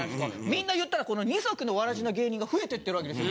みんな言ったらこの二足のわらじの芸人が増えてってる訳ですよ